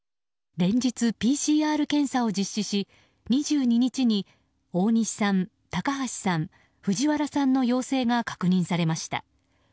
連日、ＰＣＲ検査を実施し２２日に大西さん、高橋さん藤原さんの陽性が確認されました。